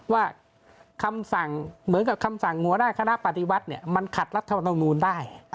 ว่าคำสั่งเหมือนกับคำสั่งหัวหน้าคณะปฏิวัติมันขัดรัฐมนูลได้